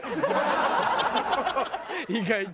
意外と。